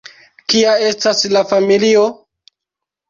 Kia estas la familio?